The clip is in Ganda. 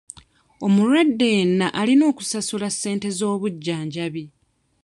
Omulwadde yenna alina okusasula ssente z'obujjanjabi.